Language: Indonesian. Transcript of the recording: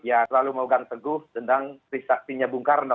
yang selalu mengganggu tentang krisaktinya bung karno